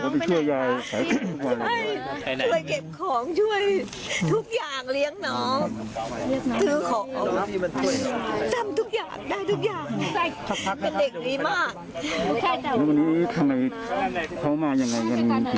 ภายใจกันได้ดีมาก